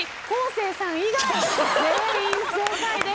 生さん以外全員正解です。